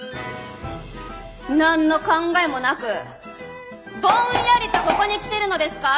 なんの考えもなくぼんやりとここに来てるのですか？